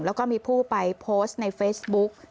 แล้วก็มีผู้ไปโพสต์ในเฟซบุ๊ก